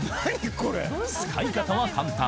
使い方は簡単。